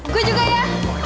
gue juga ya